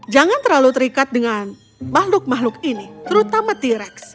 jangan terlalu terikat dengan makhluk makhluk ini terutama t rex